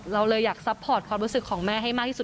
เราเลยอยากซัพพอร์ตความรู้สึกของแม่ให้มากที่สุด